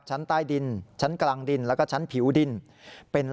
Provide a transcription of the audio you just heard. ชั้นใต้ดินชั้นกลางดินแล้วก็ชั้นผิวดินเป็น